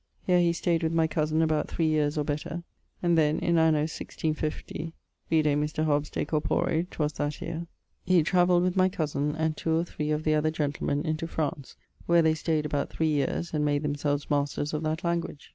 Here he stayed with my cosen about 3 yeares or better, and then, in anno 165 (vide Mr. Hobbes' de Corpore, 'twas that yeare), he travelled with my cosen and two or 3 of the other gentlemen into France, where they stayd about 3 yeares and made themselves masters of that language.